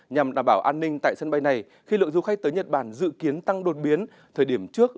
nhằm đảm bảo an ninh tại sân bay này khi lượng du khách tới nhật bản dự kiến tăng đột biến thời điểm trước